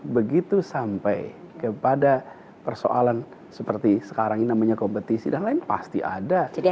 begitu sampai kepada persoalan seperti sekarang ini namanya kompetisi dan lain pasti ada